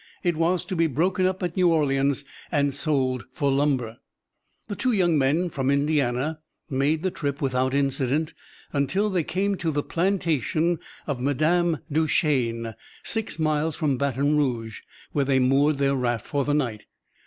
It was to be broken up at New Orleans and sold for lumber. The two young men from Indiana made the trip without incident until they came to the plantation of Madame Duchesne, six miles from Baton Rouge, where they moored their raft for the night.